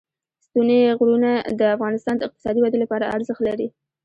ستوني غرونه د افغانستان د اقتصادي ودې لپاره ارزښت لري.